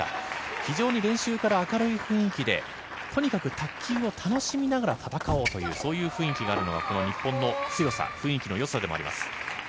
非常に練習から明るい雰囲気でとにかく卓球を楽しみながら戦おうという雰囲気があるのが日本の強さ、雰囲気のよさでもあります。